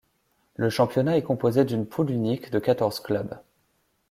Le championnat est composé d'une poule unique de quatorze clubs.